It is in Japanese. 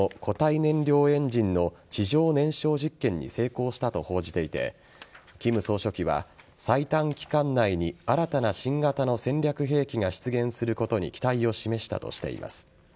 燃料エンジンの地上燃焼実験に成功したと報じていて金総書記は、最短期間内に新たな新型の戦略兵器が出現することに期待を示したとしています。